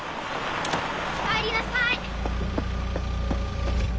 お帰りなさい。